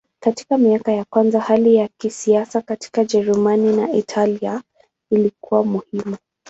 Katika miaka ya kwanza hali ya kisiasa katika Ujerumani na Italia ilikuwa muhimu.